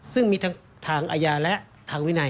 ซึ่งมีทั้งทางอาญาและทางวินัย